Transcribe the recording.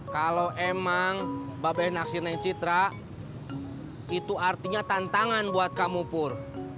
kalau emang babeh naksir nencitra itu artinya tantangan buat kamu pur